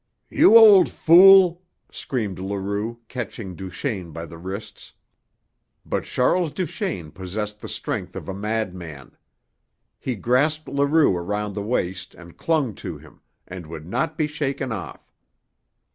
"You old fool!" screamed Leroux, catching Duchaine by the wrists. But Charles Duchaine possessed the strength of a madman. He grasped Leroux round the waist and clung to him, and would not be shaken off.